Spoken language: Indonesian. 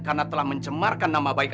karena telah mencemarkan nama baik anak saya